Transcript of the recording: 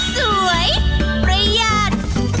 สวยประหยัด